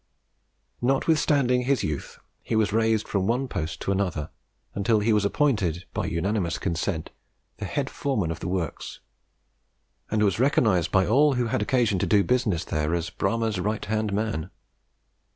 Notwithstanding his youth, he was raised from one post to another, until he was appointed, by unanimous consent, the head foreman of the works; and was recognised by all who had occasion to do business there as "Bramah's right hand man."